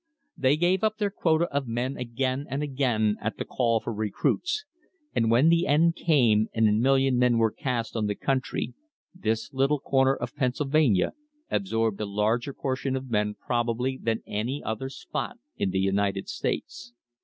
They gave up their quota of men again and again at the call for recruits, and when the end came and a million men were cast on the country, this little corner of Pennsyl vania absorbed a larger portion of men probably than any other spot in the United States.